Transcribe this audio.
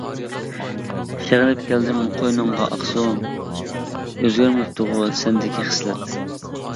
سېغىنىپ كەلدىم قوينۇڭغا ئاقسۇ، ئۆزگەرمەپتىغۇ سەندىكى خىسلەت.